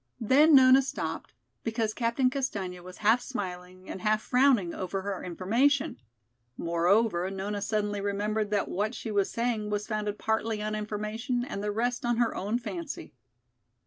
Then Nona stopped, because Captain Castaigne was half smiling and half frowning over her information. Moreover, Nona suddenly remembered that what she was saying was founded partly on information and the rest on her own fancy.